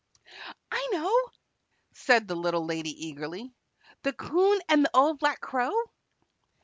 "I know," said the Little Lady, eagerly. "The 'Coon and the Old Black Crow?"